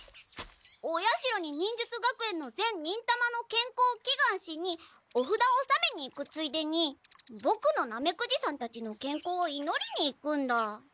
お社に忍術学園の全忍たまのけんこうをきがんしにおふだをおさめに行くついでにボクのナメクジさんたちのけんこうをいのりに行くんだ。